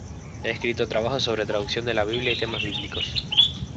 Ha escrito trabajos sobre traducción de la Biblia y temas bíblicos.